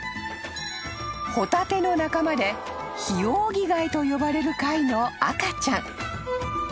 ［ホタテの仲間でヒオウギガイと呼ばれる貝の赤ちゃん］